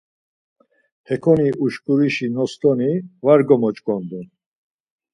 Hekoni uşkurişi nostoni var gomoç̌ǩondun.